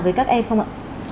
về các em không ạ